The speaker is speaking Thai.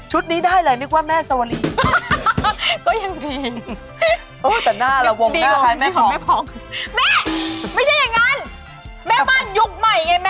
ชุดนี้ได้เลยนึกว่าแม่สวรี